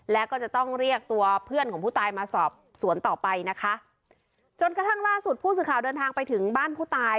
แล้วก็จะต้องเรียกตัวเพื่อนของผู้ตายมาสอบสวนต่อไปนะคะจนกระทั่งล่าสุดผู้สื่อข่าวเดินทางไปถึงบ้านผู้ตาย